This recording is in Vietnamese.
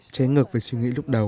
trái ngược về suy nghĩ lúc đầu